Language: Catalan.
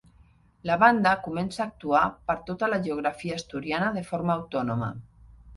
La banda comença a actuar per tota la geografia asturiana de forma autònoma.